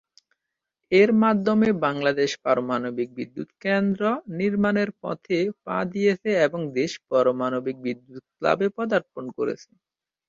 এর মাধ্যমে বাংলাদেশ পারমাণবিক বিদ্যুৎকেন্দ্র নির্মাণের পথে পা দিয়েছে এবং দেশ পারমাণবিক বিদ্যুৎ ক্লাবে পদার্পণ করেছে।